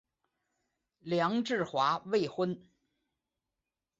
梁质华未婚。